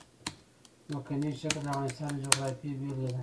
ځمکنی شکل د افغانستان د جغرافیې بېلګه ده.